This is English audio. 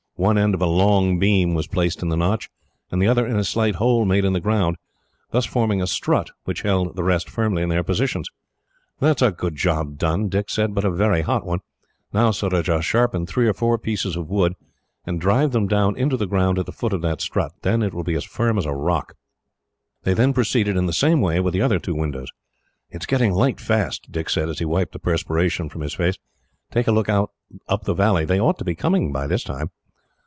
One end of a long beam was placed in the notch, the other in a slight hole made in the ground, thus forming a strut, which held the rest firmly in their positions. "That is a good job done," Dick said, "but a very hot one. Now, Surajah, sharpen three or four pieces of wood, and drive them down into the ground at the foot of that strut; then it will be as firm as a rock." They then proceeded, in the same way, with the other two windows. "It is getting light fast," Dick said, as he wiped the perspiration from his face. "Take a look out up the valley. They ought to be coming by this time."